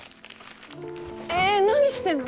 えっ何してんの？